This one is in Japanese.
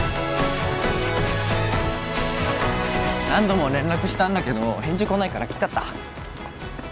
何度も連絡したんだけど返事来ないから来ちゃった